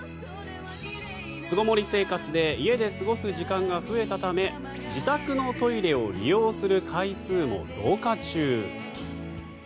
巣ごもり生活で家で過ごす時間が増えたため自宅のトイレを利用する回数も増加中。